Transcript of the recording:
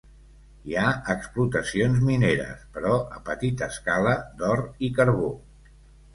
Hi ha explotacions mineres, però a petita escala, d'or i carbó.